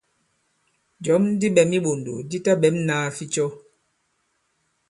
Jɔ̌m di ɓɛ̌m i iɓòndò di taɓɛ̌m nāa ficɔ.